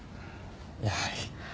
やはり。